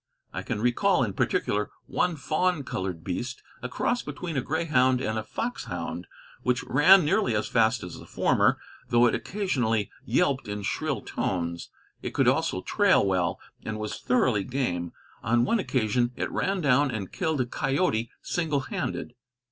I can recall in particular one fawn colored beast, a cross between a greyhound and a foxhound, which ran nearly as fast as the former, though it occasionally yelped in shrill tones. It could also trail well, and was thoroughly game; on one occasion it ran down and killed a coyote single handed.